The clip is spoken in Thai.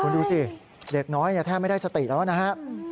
คุณดูสิเด็กน้อยแทบไม่ได้สติแล้วนะครับ